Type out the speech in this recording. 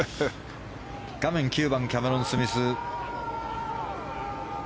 画面は９番キャメロン・スミス。